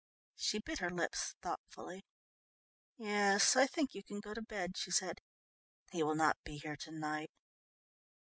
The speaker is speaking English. She bit her lips thoughtfully. "Yes, I think you can go to bed," she said. "He will not be here to night.